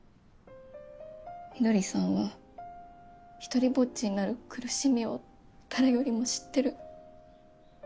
翠さんは独りぼっちになる苦しみを誰よりも知ってる。